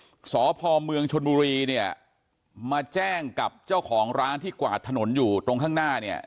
สพเมืองชนบุรีเนี่ยมาแจ้งกับเจ้าของร้านที่กวาดถนนอยู่ตรงข้างหน้าเนี่ย